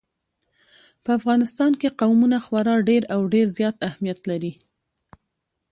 په افغانستان کې قومونه خورا ډېر او ډېر زیات اهمیت لري.